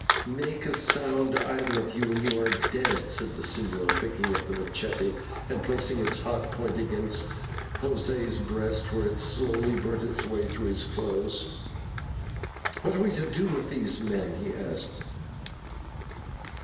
"Make a sound, either of you, and you are dead," said the señor, picking up the /machete/ and placing its hot point against José's breast, where it slowly burnt its way through his clothes. "What are we to do with these men?" he asked.